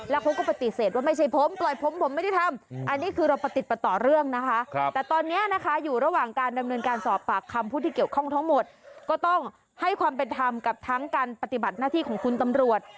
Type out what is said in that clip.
แล้วเขาก็ปฏิเสธว่าไม่ใช่ผมปล่อยผมผมไม่ได้ทำ